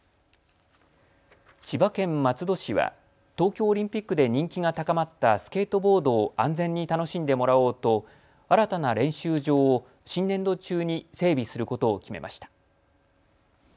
千葉県松戸市は東京オリンピックで人気が高まったスケートボードを安全に楽しんでもらおうと新たな練習場を新年度中に整備することを決めました。